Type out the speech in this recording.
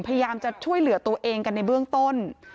พยายามจะช่วยเหลือตัวเองกันในเบื้องต้น